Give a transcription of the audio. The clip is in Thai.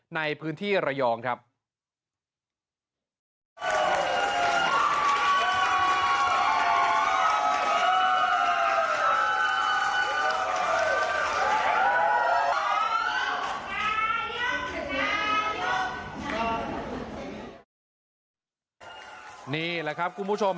ในพื้นที่ระยองครับ